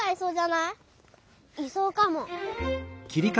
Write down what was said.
いそうかも。